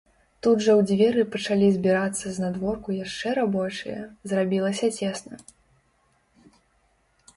Тут жа ў дзверы пачалі збірацца знадворку яшчэ рабочыя, зрабілася цесна.